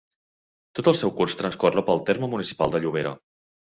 Tot el seu curs transcorre pel terme municipal de Llobera.